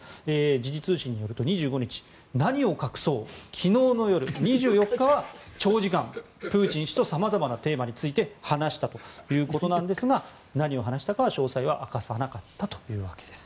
時事通信によりますと２５日何を隠そう昨日の夜２４日は長時間、プーチン氏と様々なテーマについて話したということですが何を話したかは詳細は明かさなかったということわけです。